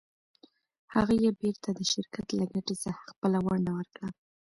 هغه یې بېرته د شرکت له ګټې څخه خپله ونډه ورکړه.